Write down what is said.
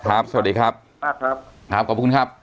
ครับสวัสดีครับครับครับครับขอบพระคุณครับ